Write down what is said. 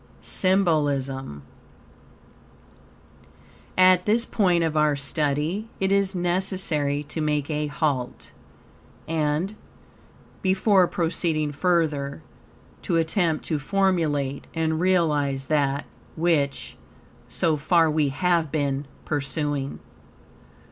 SYMBOLISM At this point of our study it is necessary to make a halt; and, before proceeding further, to attempt to formulate and realize that, which, so far, we have been pursuing.